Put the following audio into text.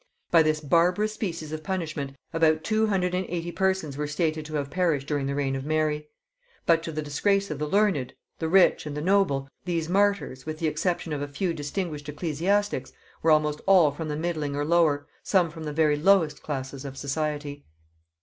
By this barbarous species of punishment, about two hundred and eighty persons are stated to have perished during the reign of Mary; but, to the disgrace of the learned, the rich, and the noble, these martyrs, with the exception of a few distinguished ecclesiastics, were almost all from the middling or lower, some from the very lowest classes of society.